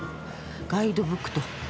ガイドブックっと。